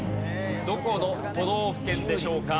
どこの都道府県でしょうか？